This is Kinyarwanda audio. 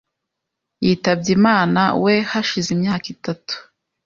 yitabye Imanawe hashize imyaka itatu.